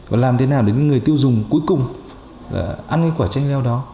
và làm thế nào để những người tiêu dùng cuối cùng ăn cái quả tranh leo đó